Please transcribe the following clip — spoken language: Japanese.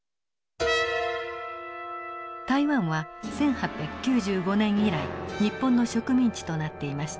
台湾は１８９５年以来日本の植民地となっていました。